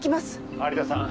有田さん